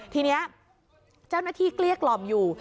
ทีนี้เจ้าหน้าที่เกลี้ยกล่อมอยู่